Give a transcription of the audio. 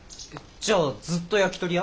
じゃあずっと焼きとり屋？